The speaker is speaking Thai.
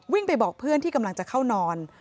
ไปบอกเพื่อนที่กำลังจะเข้านอน